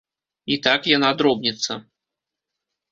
І так яна дробніцца.